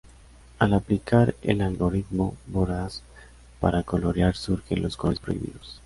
Al aplicar el algoritmo voraz para colorear surgen los "colores prohibidos".